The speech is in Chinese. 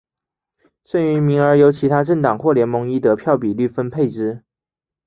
剩余名额由其他政党或联盟依得票比率分配之。